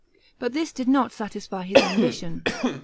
But this did not satisfy his ambition.